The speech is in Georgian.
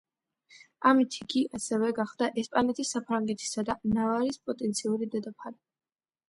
ამით იგი ასევე გახდა ესპანეთის, საფრანგეთისა და ნავარის პოტენციური დედოფალი.